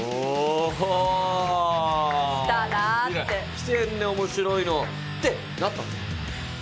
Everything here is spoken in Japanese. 来てんね面白いのってなったんですよ。